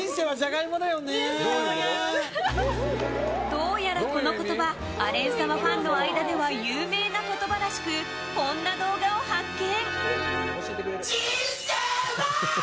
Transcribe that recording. どうやらこの言葉アレン様ファンの間では有名な言葉らしくこんな動画を発見。